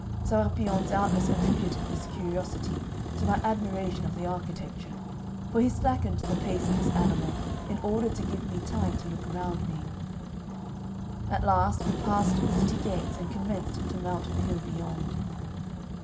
Sérapion doubtless attributed this curiosity to my admiration of the architecture, for he slackened the pace of his animal in order to give me time to look around me. At last we passed the city gates and commenced to mount the hill beyond.